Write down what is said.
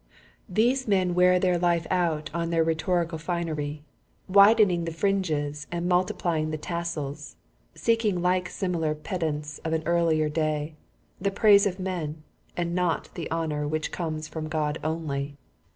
These men wear their life out on their rhetorical finery, widening the fringes and multiply ing the tassels, seeking like similar ped ants of an earlier day, the praise of men, and not the honor which comes from God only.